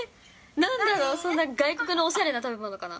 なんだろう、そんな外国のおしゃれな食べ物かな。